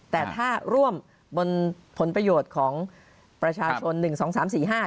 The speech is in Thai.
แต่ถ้าร่วมบนผลประโยชน์ของประชาชนหนึ่งสองสามสี่ห้า